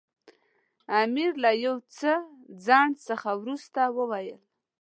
امیر له یو څه ځنډ څخه وروسته وویل.